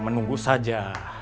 kita menunggu saja